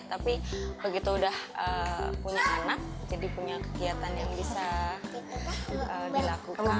jadi begitu udah punya anak jadi punya kegiatan yang bisa dilakukan